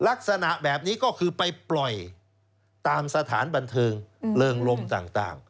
ลักษณะแบบนี้ก็คือไปปล่อยตามสถานบันเทิงเริงลมต่าง